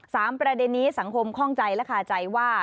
ประเด็นนี้สังคมข้องใจและคาใจว่า